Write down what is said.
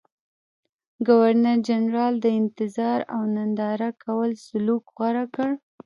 ګورنرجنرال د انتظار او ننداره کوه سلوک غوره کړ.